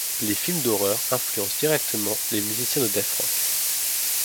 Les films d'horreur influencent directement les musiciens de death rock.